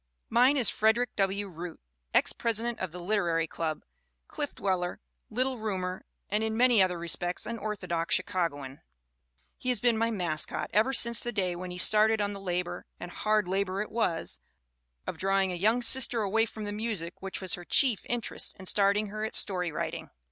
Mine is Frederick W. Root, ex president of the Liter ary Club, Cliff Dweller, Little Roomer, and in many other respects an orthodox Chicagoan. He has been my mascot ever since the day when he started on the labor and hard labor it was of drawing a young sister away from the music which was her chief in terest and starting her at story writing.